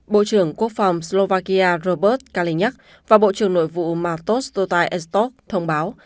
bộ trưởng quốc phòng slovakia robert kalinyak và bộ trưởng nội vụ maltos totai estop thông báo